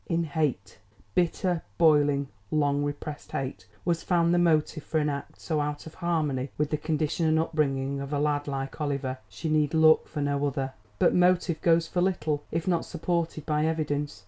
In hate, bitter, boiling, long repressed hate, was found the motive for an act so out of harmony with the condition and upbringing of a lad like Oliver. She need look for no other. But motive goes for little if not supported by evidence.